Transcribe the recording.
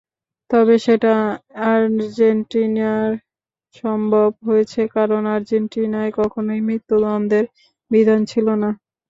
তবে সেটা আর্জেন্টিনায় সম্ভব হয়েছে, কারণ আর্জেন্টিনায় কখনোই মৃত্যুদণ্ডের বিধান ছিল না।